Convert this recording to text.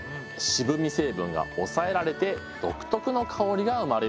渋み成分が抑えられて独特の香りが生まれるんだそうです。